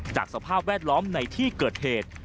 สภาพแวดล้อมในที่เกิดเหตุ